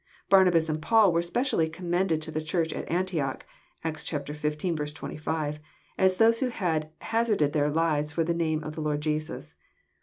Barnabas and Paul were specially commended to the Church at Antioch, (Acts xv. 25,) as those who had hazarded their lives for the name of the Lord Jesus."